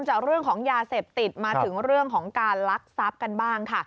จากเรื่องของยาเสพติดมาถึงเรื่องของการลักทรัพย์กันบ้างค่ะ